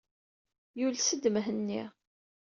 Yules-d Mhenni.